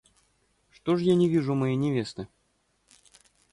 Что ж я не вижу моей невесты?